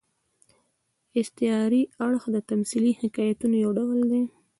استعاري اړخ د تمثيلي حکایتونو یو ډول دئ.